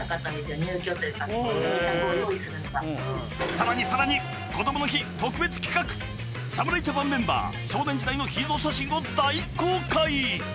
さらにさらにこどもの日特別企画侍ジャパンメンバー少年時代の秘蔵写真を大公開。